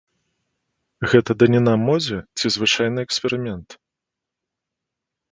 Гэта даніна модзе ці звычайны эксперымент?